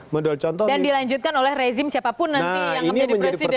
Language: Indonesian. dan dilanjutkan oleh rezim siapapun nanti yang akan menjadi presiden